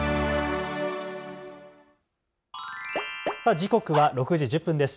時刻は６時１０分です。